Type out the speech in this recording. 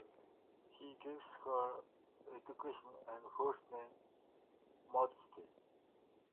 He gives her an education and a first name: Modesty.